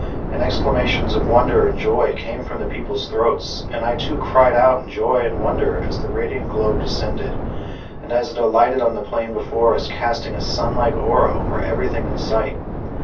And exclamations of wonder and joy came from the people's throats; and I too cried out in joy and wonder as the radiant globe descended, and as it alighted on the plain before us, casting a sunlike aura over everything in sight.